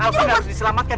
alvin harus diselamatkan